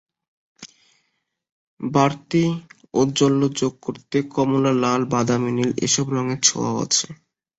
বাড়তি ঔজ্জ্বল্য যোগ করতে কমলা, লাল, বাদামি, নীল—এসব রঙের ছোঁয়াও আছে।